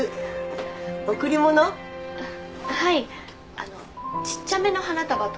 あのちっちゃめの花束とかって。